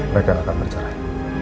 mereka akan bercerai